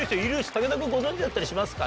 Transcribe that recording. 武田君ご存じだったりしますか？